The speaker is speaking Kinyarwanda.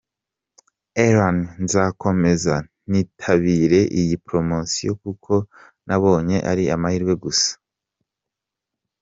Aaron: “Nzakomeza nitabire iyi promosiyo kuko nabonye ari amahirwe gusa.